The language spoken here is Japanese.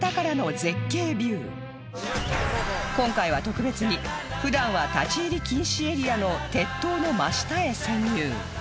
今回は特別に普段は立ち入り禁止エリアの鉄塔の真下へ潜入